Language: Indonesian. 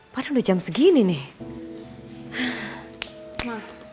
padahal udah jam segini nih